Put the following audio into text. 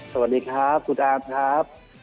สวัสดีครับคุณอามครับ